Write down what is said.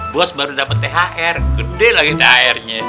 bos baru dapat thr gede lagi thr nya